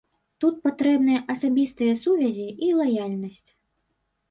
Тут патрэбныя асабістыя сувязі і лаяльнасць.